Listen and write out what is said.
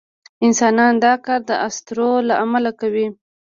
انسانان دا کار د اسطورو له امله کوي.